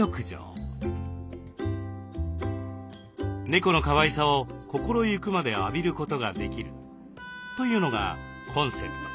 猫のかわいさを心ゆくまで浴びることができるというのがコンセプト。